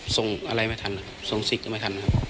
ส่งอะไรไม่ทันนะครับส่งสิทธิ์ก็ไม่ทันครับ